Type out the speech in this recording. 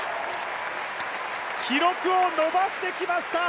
記録を伸ばしてきました。